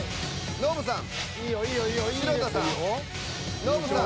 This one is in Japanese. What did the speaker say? ノブさん。